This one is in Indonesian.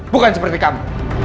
bukan seperti kamu